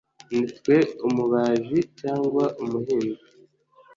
nitwe umubaji cyangwa umuhinzi